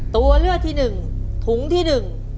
ตัวเลือกที่หนึ่งถุงที่หนึ่ง